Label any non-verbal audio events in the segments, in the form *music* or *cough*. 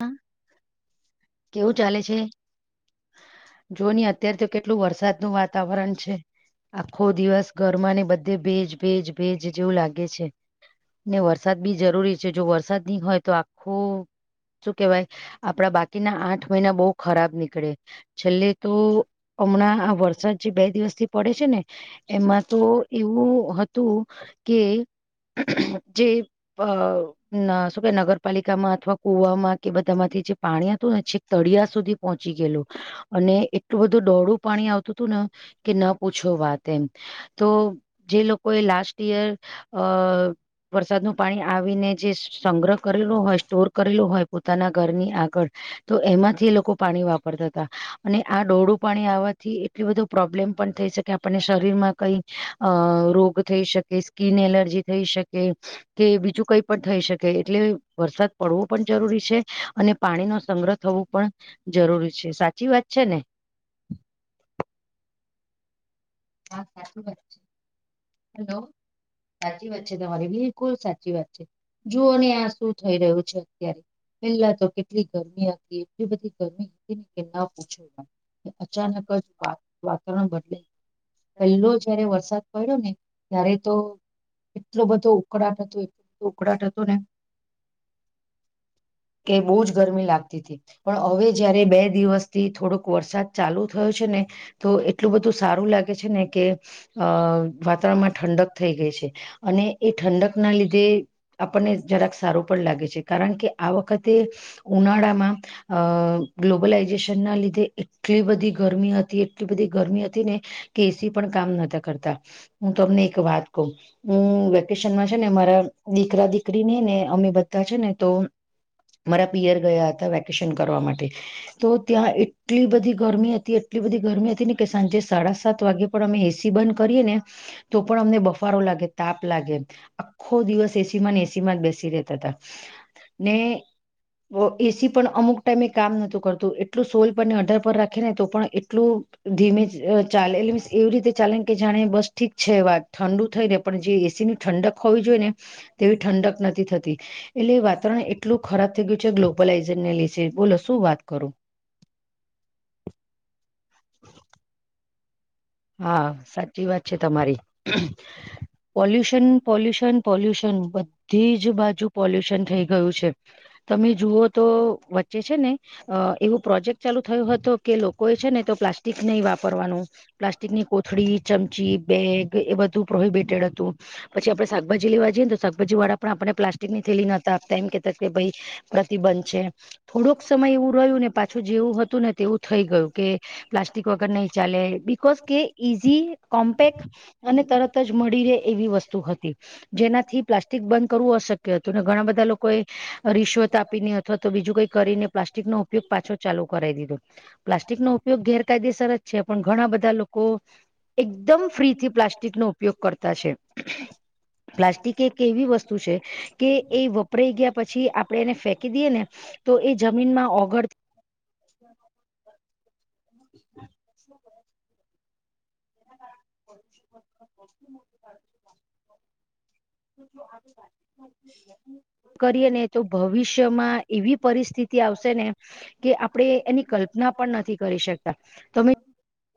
હા કેવું ચાલે છે? જો ની અત્યારે તો કેટલું વરસાદ નું વાતાવરણ છે. આખો દિવસ ઘરમાં ને બધે ભેજ, ભેજ, ભેજ જેવું લાગે છે. ને વરસાદ બી જરૂરી છે જો વરસાદ ની હોય તો આખું શું કેવાય આપણા બાકી ના આઠ મહિના બહુ ખરાબ નીકળે છેલ્લે તો હમણાં આ વરસાદ જે બે દિવસ થી પડે છે ને એમાં તો એવું હતું. કે જે અ શું કે નગરપાલિકામાં અથવા કુવામાં કે બધા માંથી જે પાણી હતું ને પછી તળિયા સુધી પહોંચી ગયેું અને એટલું બધું દોડું પાણી આવતું હતું ને કે ન પ વાત એ તો જે લોકો એ લાસ્ટ ઈયર વરસાદ નું પાણી આવીને જે સંગ્રહ કરેલો હોય સ્ટોર કરેલોું હોય પોતાના ઘરની આ તો એમાંથી એ લોકો પાણી વાપરતા હતા અને આ દોડું પાણી આવવાથી એટલું બધું પ્રોબ્લેમ થઈ શકે આપણે શરીર માં કઈ અ રોગ થઈ શકે, સ્કીન એલ ર્જી થઈ શકે. કે બીજું કઈ પણ થઈ શકે એટલે વરસાદ પડવો પણ જરૂરી છે અને પાણીનો સંગ્રહ થવું પણ જરૂરી છે, સાચી વાત છે ને? હા સાચું વાત છે. હલો. સાચી વાત છે તમારી બિલકુલ સાચી વાત છે. જુઓ ને આ શું થઈ રહ્યું છે અત્યારે. પેલા તો કેટલી ગરમી હતી તે પછી ગરમી *unintelligible* ના પૂછ વાત, અચાનક જ વા વાતાવરણ બદલાઇ પેલો જયારે વરસાદ પડ્યો ને ત્યારે તો એટલો બધો ઉકળાટ હત એટલું બધું ઉકળાટ હતું ને. *inaudible* કે બહુ જ ગરમી લાગતી. પણ હવે જયારે બે દિવસથી થોડોક વરસાદ ચાલુ થયો છે ને તો એટલું બધું સારું લાગે છે ને કે વાતાવરણમાં ઠંડક થઈ ગઈ છે. અને એ ઠંડક ના લીધે આપણને જરાક સારું પણ લાગે છે કારણ કે આ વખતે ઉનાળામાં અ ગ્લોબલાઈઝેશન ના લીધે એટલી બધી ગરમી હતી એટલી બધી ગરમી હતી. ને એસી પણ કામ નતા કરતા હું તમને એક વાત કહું. હ વેકેશનમાં છે ને અ મારા દીકરા દીકરીને ને અમે બધા છે ને તો મારા પિયર ગયા હતા વેકેશન. કરવા તો ત્યાં એટલી બધી ગરમી એટલી બધી ગરમી કે સાંજે સાડા સાત વાગે પણ અમે એસી બંધ કરીએે ને તો પણ અમને બફારો લાગે તાપ લાગે. આખો દિવસ એસી માં ને એસી માં જ બેસી રહેતા હતા. ને એસી પણ અમુક ટમે કામત કરતું એટલું સોલ પર અધર પર રાખી ને તો પણ એટલું ધીમે ચાલે એટલે મીન્સ એવી રીતે ચાલે ને કે જાણે બસ ઠીક છે વાત ઠંડુ થઈ ને પણ જે એસી ની ઠંડક તે ઠંડક નથી થતી એટલે વાતાવરણ એટલું ખરાબ થઈ ગયું છે ગ્લોબ લ બોલો શું વાત કરું. *inaudible* હા સાચી વાત છે તમારી. પોલ્યુશન -પોલ્યુશન- પોલ્યુશન બધી જ બાજુ પોલ્યુશન થઈ ગયું છે તમે જુઓ તો વચ્ચે છે ને ને એવું પ્રોજેક્ટ ચાલુ થયો હતો કે લોકો એ છે ને તો પ્લાસ્ટિક નહી વાપરવાનું. પ્લાસ્ટિકની કોથળી ચમચી બેગ એ બધું પ્રોહિબિટેડ હતું પછી આપડે શાકભાજી લેવા ને તો શાકભાજી વાળા પણ આપને પ્લાસ્ટિક ની થેલી નતા આપતા એમ કેતા કે ભાઈ પ્રતિબંધ છે થોડોક સમય એવું રહ્યું ને પાછું જેવું હતું ને તેવું થઈ ગયું કે પ્લાસ્ટિક વગર નહીં ચાલે બિકઝ કે ઈઝી કોમ્પેક્ટ અને તરત જ મળી રહે એવી વસ્તુ હતી જેનાથી પ્લાસ્ટિક બંધ કરવું અશક્ય હત તોને ઘણા બધા લોકો એ રિશ્વત આપીને અથવા તો બીજું કઈ કરીને પ્લાસ્ટિક નો ઉપયોગ પાછો ચાલુ કરે પ્લાસ્ટિક નો ઉપયોગ ગેરકાયદેસ જ છે પણ ઘણા બધા બધા લોકો એકદમ ફ્રીથી પ્લાસ્ટિક નો ઉપયોગ કરતા છે પ્લાસ્ટિક એક એવી વસ્તુ છે કે એ વપરાઈ ગયા પછી આપણેે એને ફેંકી દઈએ ને તો એ જમીનમાં ઓગળ *inaudible* *inaudible* તો ભવિષ્યમાં એવી પરિસ્થિતિ આવશે ને કે આપણે એની કલ્પના પણ નથી કરી શકતા તમે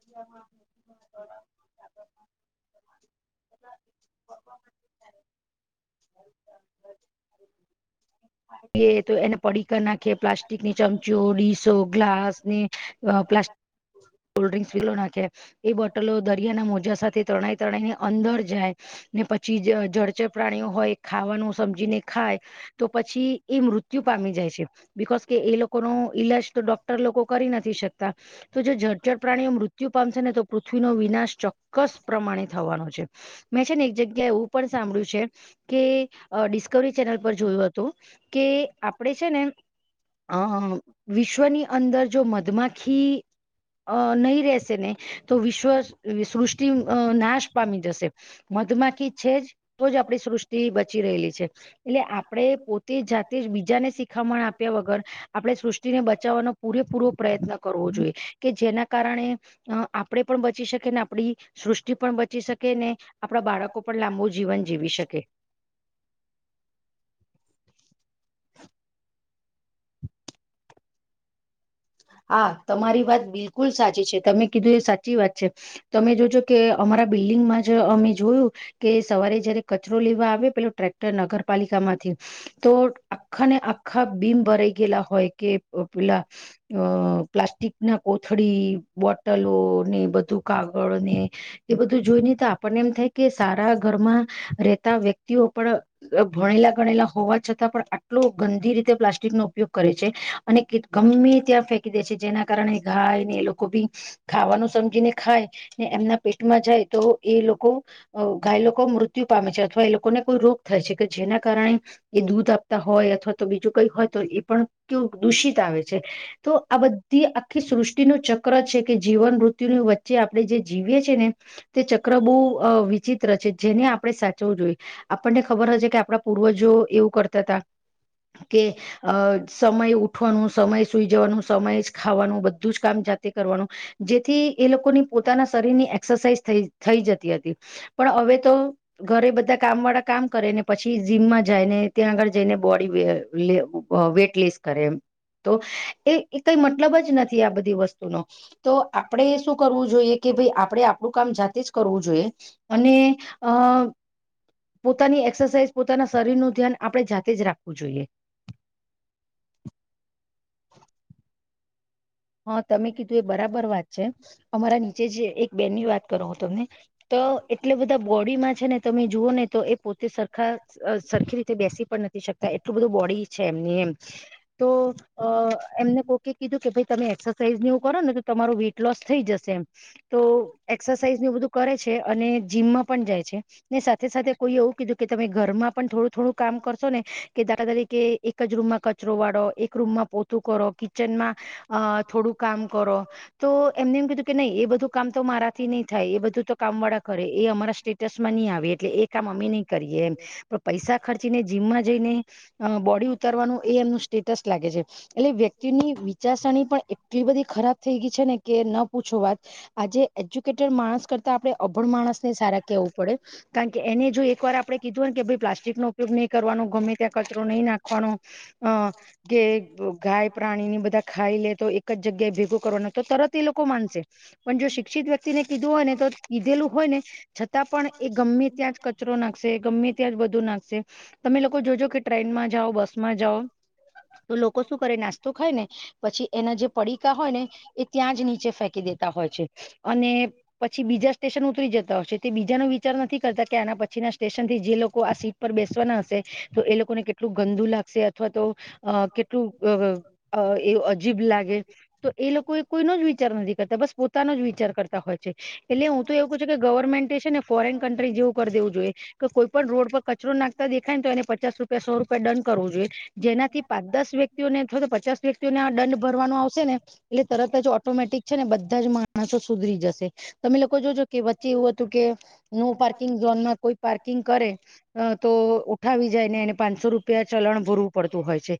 *unintelligible* તો એને પડીક નાખી પ્લાસ્ટિકની ચમચી ડીસો ગ્લાસ ને પ્લા *inaudible* કોલ્ડ્રિંક્સ પીલો નાખે એ બોટલો દરિયાના મોજા સાથે ત્રણાઈ ત્રણાઈ ની અંદર જાય ને પછી જળચર પ્રાણીઓ હોય ખાવાનું સમજીને ખાય તો પછી એ મૃત્યુ પામી જાય છે બકોઝ કે એ લોકો ન ઈલાજ તો ડોક્ટર લોકો કરી નથી શકતા તો જો જર્જર પ્રાણીઓ મૃત્યુ પામશે ને તો પૃથ્વી નનો વિનાશ ચક કસ પ્રમાણે થવાનો છે મેં છે ને એક જગ્યા એવું પણ સાંભળ્યું છે કે ડિસ્કવરી ચેનલ પર જોયું હતું કે આપણે છે ને અમ વિશ્વની અંદર જો મધમાખી અ નહી રશે ને તો વિશ્વસ સૃષ્ટિ નાશ પામી જશે મત છે તો જ આપ સૃષ્ટિ બચી રહેલી છે એટલે આપણે પો તે જાતે જ બીજાને શીખામણ આપ્યા વગર આપણે સૃષ્ટિને બચાવવાનો પૂરેપૂરો પ્રયત્ન કરવો કે જેના કારણે આપણે પણ બચી શકી ને આપણી સૃષ્ટિ પણ બી ચી શકે ને આપણા બાળકો પણ લાંબુ જીવન જીવી શકે હા તમારી વાત બિલકુલ કુલ સાચી છે તમે કીધું એ સાચી વાત છે તમે જોજો કે અમારા બિલ્ડિંગમાં જ અમે જોયું કે સવારે જયારે કચરો લેવા આવે પેલો ટ્રેક્ટર નગરપાલિકા માંથી તો આખા ને આખા બીમ ભરાઈ ગયેલા હોય કે પેલા અ પ્લાસ્ટિક ના કોથળી બોટલો ને બધું કાગળ ને એ બધું જોઈ ને તો આપણને એમ થાય કે સારા ઘરમાં રહેતા વ્યક્તિઓ પણ ભણેલા ગણેલા હોવા છતાં પણ આટલો ગંદીર ઇહ્તોં પ્લાસ્ટિક નો ઉપયોગ કરે છે અને ગમે ત્યાં ફેંકી દે છે જેના કારણે ગાય ને એ લોકો બી ખાવાનું સમજીને ખાય ને એમના પેટમાં જાય તો એ લોકો ગાય લોકો મૃત્યુ પામે છે અથવા એ લોકોને કોઈ રોગ થાય છે કે જેના કારણે એ દૂધ આપતા હોય અથવા તો બીજું કઈ હોય તો એ પણ દૂષિત આવે છે તો આ બધી આખી સૃષ્ટિનો ચક્ર છે કે જીવન મૃત્યુની વચ્ચે આપણે જે જીવીએ છીએ ને તે ચક્ર બહુ વિચિત ચ્ર છે જેને આપણે સાચવું જોઈએ આપણને ખબર હશે કે આપણા પૂર્વજો એવું કરતા હતા કે અ સમય ઉઠવાનું સમય સુઈ વા સમય ખાવાનું બધું જ કામ જાતે કરવાનું જેથી એ લોકોની પોતાના શરીરની એઝ થઈ જતી હતી પણ હવે તો ઘરે બધા કામ વાળા કામ કરે ને પછી જીમમાં જાયને ત્યાં આગળ જઈને બોડી વેટ લેસ કરે એ તો એ એ કઈ મતલબ જ નથી આ બધી વસ્તુનો તો આપણેે શું કરવું જોઈએ કે ભાઈ આપણે આપડું કામ જાતે જ કરવું જોઈએ અને અ પોતાની એક્સરસાઇઝ પોતાના શરીરનું ધ્યાન આપણે જાતે જ રાખવું જોઈએ. હા, તમે કીધું એ બરાબર વાત છે, અમારા આપણે નીચે જ એક બેન ની વાત કરો તમને તો, એટલે બધા બોડીમાં છે, ને તમે જુઓ ને તો, એ પોતે સરખા સરખી રીતે બેસી પણ નથી શકતા એટલું બધું બોડી છે. એમની એમ તો જલમ અ એમને કોકે કીધું, કે ભાઈ તમે એક્સરસાઇઝને એવું કરો ને, તો તમારું વેઇટ લોસ થઈ જશે. એમ તો એક્સરસાઇઝ બધું કરે છે અને જીમમાં પણ જાય છે, ને સાથે-સાથે કોઈ એવું કીધું, કે તમે ઘરમાં પણ થોડું-થોડું કામ કરશો ને કે દાદા તરીકે એક જ રૂમમાં કચરો વાળો, એક રૂમમાં પોતું કરો, કિચનમાં અ થોડું કામ કરો તો એમને એમ કીધું કે નહી. એ બધું કામ તો મારાથી નહી થાય એ બધું તો કામ કરે એ અમારા સ્ટેટસમાં નહી આવે એટલે એ કામ અમે નહી કરીએ. એમ પણ પૈસા ખર્ચીને જીમમાં જઈને બોડી ઉતારવાનું એ એમનું સ્ટેટસ લાગે છે, એટલે વ્યક્તિ વિચાર એટલી બધી ખરાબ થઇ ગઈ છે, ને કે ન પૂછો વાત આજે એજુકેટ માણસ કરતા અભણ માણસ ને સારા કેવું પડે, કારણ કે એને જો એક વાર આપણે કીધું હો કે ભાઈ પ્લાસ્ટિક નો ઉપયોગ નહીં કરવાનો ગમે ત્યાં કચરો નહી નાખવાનો, અ કે ગાય પ્રાણી ની બધા ખાઈ તો એક જગ્યાએ ભેગું કરવા, તો તરત એ લોકો માનશે પણ જો શિક્ષિત વ્યક્તિને કીધું હોય ને, તો કીધેલું હોય ને છતાં પણ એ ગમે ત્યાં જ કચરો નાખશે, ગમે ત્યાં જ બધું નાખશે. તમે લોકો જોજો કે ટ્રેનમાં જાઓ બસ માં જાઓ તો લોકો શું કરે નાસ્તો ખાઈને પછી એના જે પડીકા હોય ને એ ત્યાં જ નીચે ફેંકી દેતા હોય છે, અને પછી બીજ બીજા સ્ટેશન ઉતરી જતા હોય છે. તે બીજાનો વિચાર નથી કરતા કે આના પછીના સ્ટેશનથી જે લોકો આ સીટ પર બેસવાના તો, એ લોકોને કેટલું ગંદુ લાગશે અથવા તો કેટલું એ અજીભ લાગે તો એ લોકો એ કોઈનો જ વિચાર નથી કરતા. બસ પોતાનો જ વિચાર કરતા હોય છે. એટલે એવું છે કે ગવર્મેન્ટે છે ને ફોરેન કન્ટ્રી જેવું કરી દેવું જોઈએ, કે કોઈ પણ રોડ પર કચરો નાખતા દેખાય એને પચાસ રૂપિયા સો રૂપિયા દંડ કરવું જોઈએ. જેનાથી પાંચ-દસ વ્યક્તિઓને અથવા તો પચાસ વ્યક્તિઓ ભરવાનું આવશે ને એટલે તરત જ ઓટોમેટિક છે ને, બધા જ માણસો સુધરી જશે. તમે લોકો જો કે વચ્ચે એવું હતું કે નો પાર્કિંગ ઝોનમાં કોઈ પાર્કિંગ કરે તો ઉઠા આવી જાયને એને પાંચસો રૂપિયા ચલણ ભરવું પડતું હોય છે.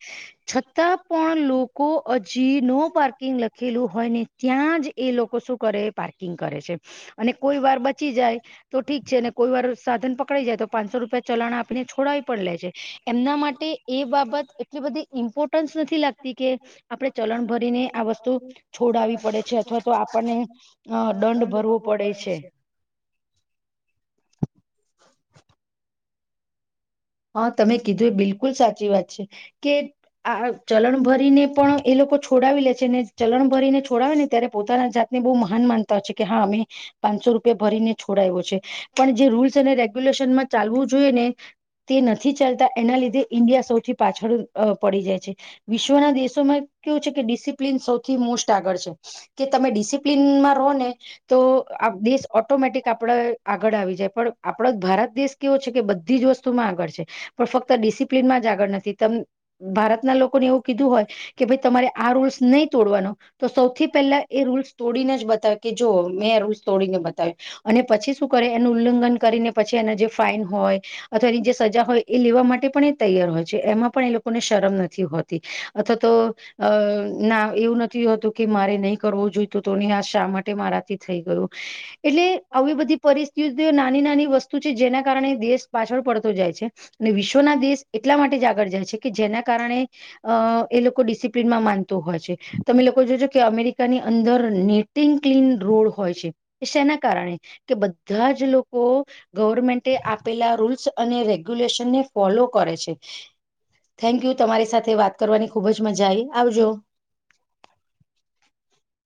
છતાં પણ લોકો હજી નો પાર્કિંગ લખેલું હોય ને ત્યાં જ એ લોકો શું કરે પાર્કિંગ કરે છે. અને કોઈ વાર બચી જાય તો ઠીક છે, અને કોઈ વાર સાધન પકડાઈ જાય તો પાંચસો રૂપિયા ચલાણા આપીને છોડ છે. એમના માટે એ બાબત એટલી બધી ઇમ્પોર્ટન્સ નથી લાગતી કે આપણે ચલણ ભરીને આ વસ્તુ છોડાવી પડે છે. અથવા તો આપણને એ દંડ ભરવો પડ પડે છે. *inaudible* હા, તમે કીધું એ બિલકુલ સાચી વાત છે. કે આ ચલણ ભરીને પણ એ લોકો લોકો છોડાવી લે છે. ને ચલણ ભરીને છોડાવે ને ત્યારે પોતાના જાતને બહુ મહાન માનતા હોય છે. કે હા, અમે પાંચસો રૂપિયા ભરીને છોડાવ્યો છે, પણ જે રૂલ્સ અને રેગ્યુલેશનમાં ચાલવું જોઈએ, ને તેનથી ચાલતા એના લીધે ઈન્ડિયા સૌથી પાછળ પડી જાય છે. વિશ્વના દેશોમાં કેવું છે કે ડિસિપ્લિન સૌથી મોસ્ટ આગળ છે, કે તમે ડિસિપ્લનમાં રહો ને તો આ દેશ ઓટોમેટિક આપણે આગળ આવી જાય પણ આપડો ભારત દેશ કેવો છે, કે બધી જ વસ્તુ વસ્તુ માં આગળ છે પણ ફક્ત ડિસિપ્લન જ આગળ નથી. ભારતના લોકોને એવું કીધું હોય કે, ભાઈ તમારે આ રૂલ્સ નહીં તોડવાનો તો સૌથી પહેલા એ રૂલ્સ તોડીને જ બતાવે, કે જો મેં રોજ તોડીને બતાવે અને પછી શું કરે એનું ઉલ્લંઘન કરીને પછી એ જે ફાઈન હોય અથવા એની જે સજા હોય એ લેવા માટે પણ એ તૈયાર હોય છે. એમાં પણ એ લોકોને શરમ નથી હોતી અથવા તો અ ના એવું નથી હોતું કે, મારે નહી કરવુ જોઈતું હતું આ શા માટે મારાથી થઈ ગયું, એટલે આવી બધી પરિસ્થિતિ નાની-નાની વસ્તુ છે. જેના કારણે દેશ પાછળ પડતો જાય છે, અને વિશ્વના દેશ એટલા માટે જ આગળ જાય છે. કે જેના કારણે અ એ લોકો ડિસિપ્લિનમાં માનતો હોય છે. તમે લોકો જોજો કે અમેરિકાની અંદર નેટિંગ ક્લીન રૂ હોય છે, શેના કારણે કે બધા જ લોકો ગવર્મેન્ટે આપેલા રૂલ્સ અને રેગ્યુલેશનને ફોલો કરે છે. થેન્કયુ તમારી સાથે વાત કરવાની ખુબ જ મજા આઈ આવજો. *inaudible*